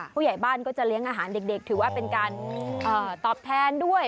ผู้ใหญ่บ้านก็จะเลี้ยงอาหารเด็กถือว่าเป็นการตอบแทนด้วย